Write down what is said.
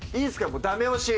もうダメ押し。